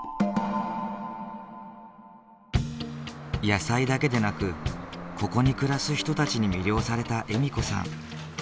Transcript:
野菜だけでなくここに暮らす人たちに魅了された笑子さん。